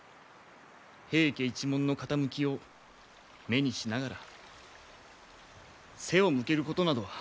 平家一門の傾きを目にしながら背を向けることなどは。